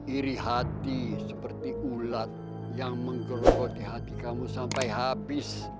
iri hati seperti ulat yang menggerogoti hati kamu sampai habis